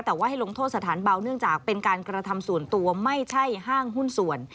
แต่ว่าให้ลงโทษสถานเบาเนื่องจากเป็นการกระทำส่วนตัวไม่ใช่ห้างหุ้นส่วน